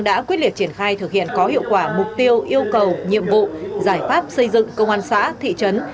đã quyết liệt triển khai thực hiện có hiệu quả mục tiêu yêu cầu nhiệm vụ giải pháp xây dựng công an xã thị trấn